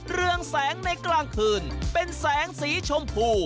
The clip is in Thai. เรืองแสงในกลางคืนเป็นแสงสีชมพู